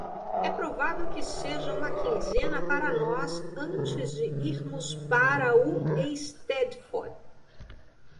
É provável que seja uma quinzena para nós antes de irmos para o Eisteddfod.